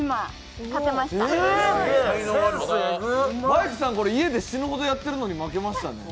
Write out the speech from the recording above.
バイクさん、家で死ぬほどやってるのに負けましたね。